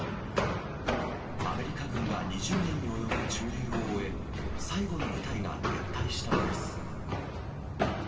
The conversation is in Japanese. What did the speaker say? アメリカ軍が２０年に及ぶ駐留を終え、最後の部隊が撤退したのです。